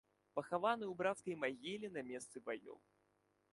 Пахаваны ў брацкай магіле на месцы баёў.